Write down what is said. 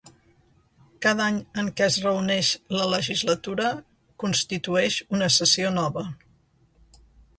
Cada any en què es reuneix la Legislatura constitueix una sessió nova.